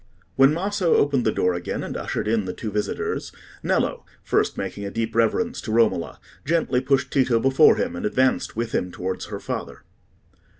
When Maso opened the door again, and ushered in the two visitors, Nello, first making a deep reverence to Romola, gently pushed Tito before him, and advanced with him towards her father.